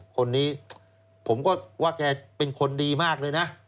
คนนี้ผมก็ว่าแกเป็นคนดีมากเลยนะ